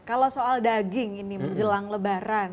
kalau soal daging ini menjelang lebaran